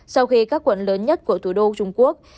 sau khi các quận lớn nhất của thủ đô trung quốc